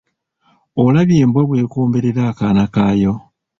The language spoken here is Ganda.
Olabye embwa bw'ekomberera akaana kayo?